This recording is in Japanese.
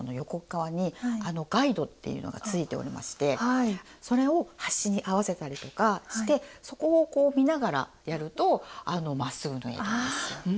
かわにガイドっていうのがついておりましてそれを端に合わせたりとかしてそこをこう見ながらやるとまっすぐ縫えるんですよ。